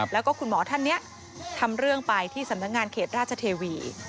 แล้วก็คุณหมอท่านนี้ทำเรื่องไปที่สำนักงานเขตราชเทวี